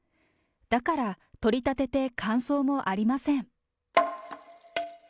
だから取り立てて感想もありません。